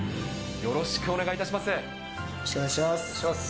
よろしくお願いします。